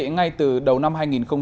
ngay từ đầu năm hai nghìn hai mươi bốn